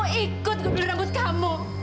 kamu ikut ke belurang bus kamu